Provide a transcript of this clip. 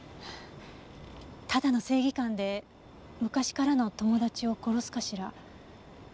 ただの正義感で昔からの友達を殺すかしら？